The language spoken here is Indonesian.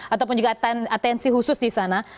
ataupun juga atensi khusus disana